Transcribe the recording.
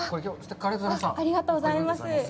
ありがとうございます。